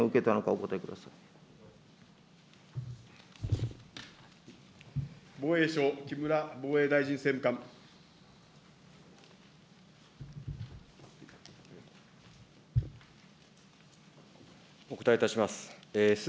お答えいたします。